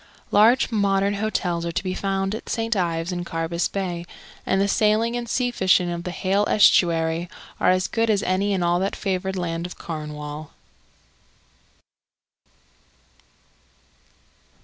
Large modern hotels are to be found at St. Ives and Carbis Bay, and the sailing and sea fishing of the Hayle Estuary are as good as any in all that favoured land of Cornwall.